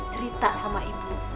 cerita sama ibu